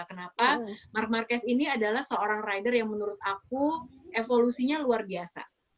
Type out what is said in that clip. kenapa mark marquez ini adalah seorang rider yang menurut aku evolusinya luar biasa